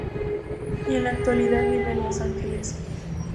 Y en la actualidad vive en Los Ángeles.